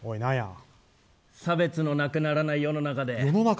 差別のなくならない世の中で。